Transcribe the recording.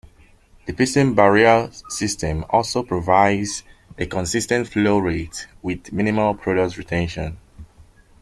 The piston barrier system also provides a consistent flow rate with minimal product retention.